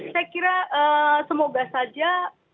saya kira semoga saja